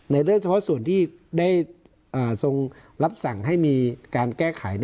เรื่องเฉพาะส่วนที่ได้ทรงรับสั่งให้มีการแก้ไข